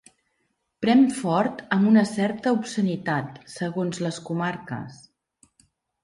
Prem fort amb una certa obscenitat, segons les comarques.